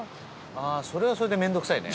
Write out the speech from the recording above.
それはそれで面倒くさいね。